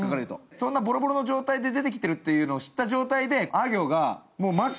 そんなボロボロの状態で出てきているということを知った状態で阿行が真っ